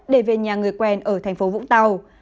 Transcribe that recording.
để về nhà người quen ở tp vũng tàu